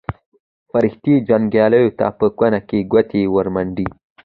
فرښتې جنګیالیو ته په کونه کې ګوتې ورمنډي.